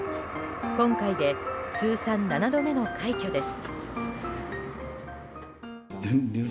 今回で通算７度目の快挙です。